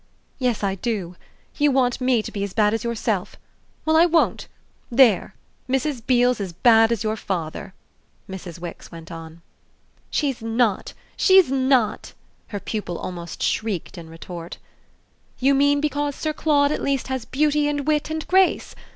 "Yes, I do; you want me to be as bad as yourself! Well, I won't. There! Mrs. Beale's as bad as your father!" Mrs. Wix went on. "She's not! she's not!" her pupil almost shrieked in retort. "You mean because Sir Claude at least has beauty and wit and grace?